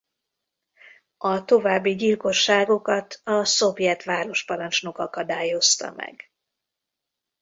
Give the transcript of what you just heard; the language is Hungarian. A további gyilkosságokat a szovjet városparancsnok akadályozta meg.